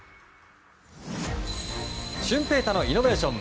舜平大のイノベーション